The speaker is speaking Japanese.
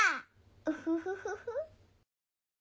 ウフフフフ！